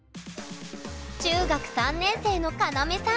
中学３年生のカナメさん。